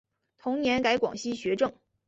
同年改广西学政。